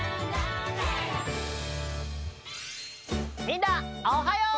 みんなおはよう！